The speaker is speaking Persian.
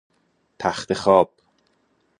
تختخواب